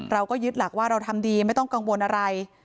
เราก็ยึดหลักว่าเราทำดีไม่ต้องกังวลอะไร